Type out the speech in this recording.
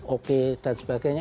oke dan sebagainya